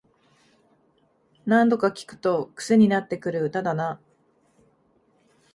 何度か聴くとクセになってくる歌だな